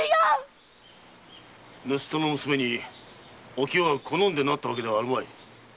盗っ人の娘にお清が好んでなったわけではあるまい。